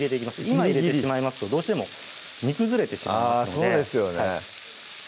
今入れてしまいますとどうしても煮崩れてしまいますのでそうですよね